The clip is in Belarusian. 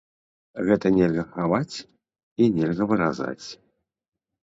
Гэта нельга хаваць і нельга выразаць.